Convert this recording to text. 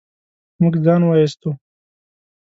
موږ ځان و ايستو.